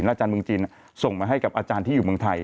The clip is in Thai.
อาจารย์เมืองจีนส่งมาให้กับอาจารย์ที่อยู่เมืองไทย